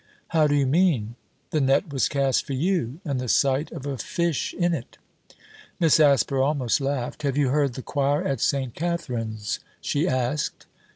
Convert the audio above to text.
'How do you mean?' 'The net was cast for you and the sight of a fish in it!' Miss Asper almost laughed. 'Have you heard the choir at St. Catherine's?' she asked.